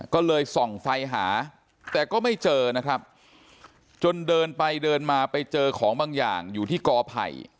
ก็เลยส่องไฟหาแต่ก็ไม่เจอนะครับจนเดินไปเดินมาไปเจอของบางอย่างอยู่ที่กอไผ่